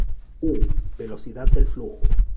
U: Velocidad del flujo.